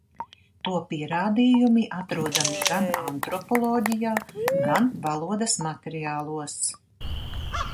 To pierādījumi atrodami gan antropoloģijā, gan valodas materiālos.